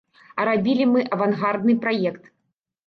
А рабілі мы авангардны праект!